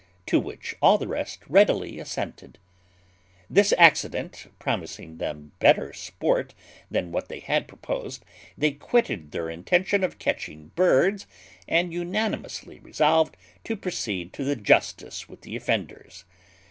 To which all the rest readily assented. This accident promising them better sport than what they had proposed, they quitted their intention of catching birds, and unanimously resolved to proceed to the justice with the offenders.